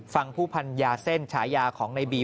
ผู้พันยาเส้นฉายาของในบี